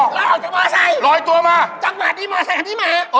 กำลังออกจังหาดจำบานใสจำบานดีมาออกจำดีมา